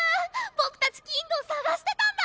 僕たちキングを捜してたんだ。